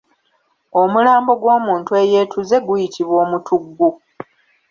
Omulambo gw’omuntu eyeetuze guyitibwa Omutuggu.